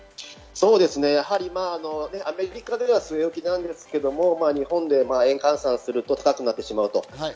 アメリカでは据え置きなんですけど、日本では円換算すると高くなってしまう。